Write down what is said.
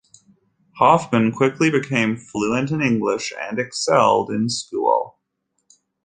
Hoffman quickly became fluent in English and excelled in school.